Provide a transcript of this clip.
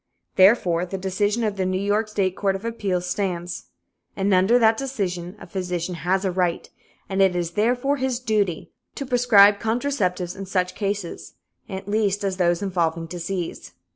Therefore, the decision of the New York State Court of Appeals stands. And under that decision, a physician has a right, and it is therefore his duty, to prescribe contraceptives in such cases, at least, as those involving disease.